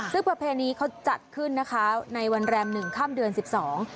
ซึ่งประเพณีเขาจัดขึ้นนะคะในวันแรมหนึ่งข้ามเดือนสิบสอง